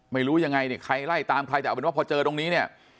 ไม่รู้ยังไงเนี่ยใครไล่ตามใครแต่เอาเป็นว่าพอเจอตรงนี้เนี่ย